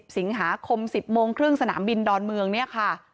สิงหาคม๑๐โมงครึ่งสนามบินดอนเมืองเนี่ยค่ะ